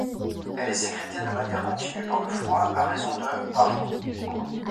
Elle est sécrétée de manière continue par le foie à raison de par jour.